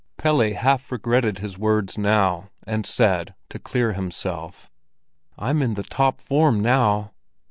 Pelle half regretted his words now, and said, to clear himself: "I'm in the top form now!"